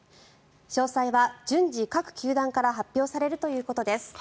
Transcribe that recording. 詳細は順次、各球団から発表されるということです。